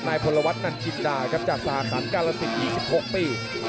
นายพลวัตนันจินดาครับจากสหกรรณกรสิทธิ์๒๖ปี